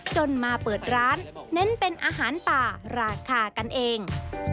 จนมาเปิดร้านเน้นเป็นอาหารป่าราคากันเอง